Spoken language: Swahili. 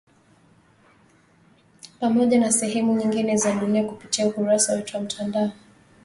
Pamoja na sehemu nyingine za dunia kupitia ukurasa wetu wa mtandao